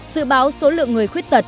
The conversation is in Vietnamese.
sự báo số lượng người khuyết thật